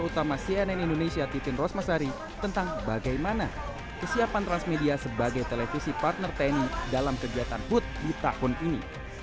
utama cnn indonesia titin rosmasari tentang bagaimana kesiapan transmedia sebagai televisi partner tni dalam kegiatan hut di tahun ini